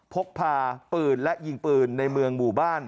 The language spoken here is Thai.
พกพาปืนและยิงปืนในเมืองหมู่บ้าน